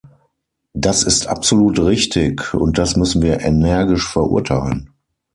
Das ist absolut richtig, und das müssen wir energisch verurteilen.